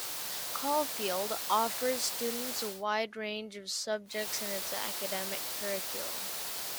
Caulfield offers students a wide range of subjects in its academic curriculum.